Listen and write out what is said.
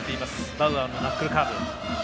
バウアーのナックルカーブ。